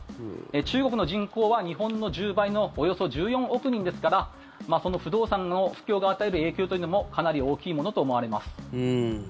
中国の人口は日本の１０倍のおよそ１４億人ですからその不動産の不況が与える影響もかなり大きいと思われます。